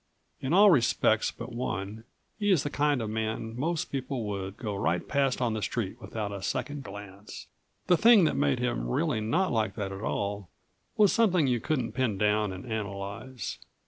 In all respects but one he is the kind of man most people would go right past on the street without a second glance. The thing that made him really not like that at all was something you couldn't pin down and analyze.